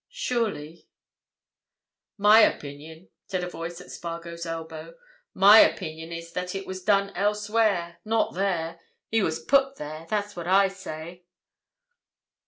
Surely— "My opinion," said a voice at Spargo's elbow, "my opinion is that it was done elsewhere. Not there! He was put there. That's what I say."